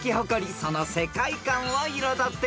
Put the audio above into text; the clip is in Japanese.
その世界観を彩っています］